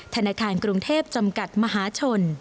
ธนาคารกรุงเทพจำกัดมหาชน